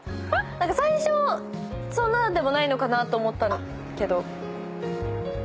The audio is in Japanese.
何か最初そんなでもないのかなと思ったけど。